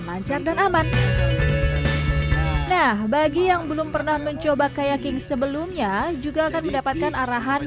lancar dan aman nah bagi yang belum pernah mencoba kayak king sebelumnya juga akan mendapatkan arahan